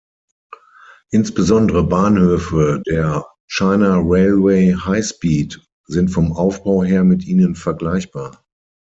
Insbesondere Bahnhöfe der China Railway High-speed sind vom Aufbau her mit ihnen vergleichbar.